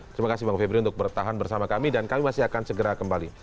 terima kasih bang febri untuk bertahan bersama kami dan kami masih akan segera kembali